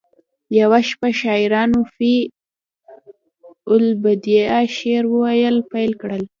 یوه شپه شاعرانو فی البدیهه شعر ویل پیل کړل